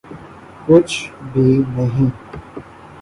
کچھ بھی نہیں۔